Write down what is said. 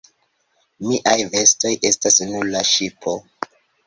Miaj vestoj estas sur la ŝipo.